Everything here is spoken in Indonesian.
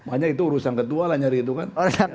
makanya itu urusan ketua lah nyari itu kan